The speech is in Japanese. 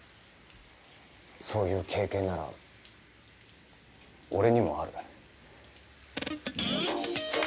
そういう経験なら俺にもある。